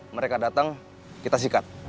mereka datang kita sikat